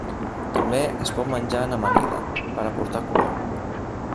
També es pot menjar en amanida, per aportar color.